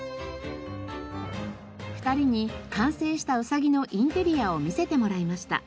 ２人に完成したうさぎのインテリアを見せてもらいました。